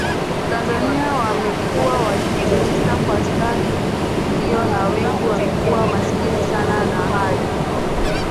Tanzania wamekuwa wakitumika kwa stahili hiyo na wengi wamekuwa masikini sana na hali